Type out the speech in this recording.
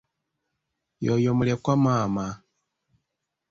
Y'oyo mulekwa maama.